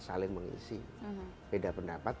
saling mengisi beda pendapat